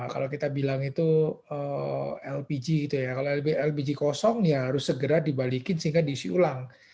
kalau lbg kosong ya harus segera dibalikin sehingga diisi ulang